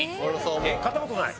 買ったことない？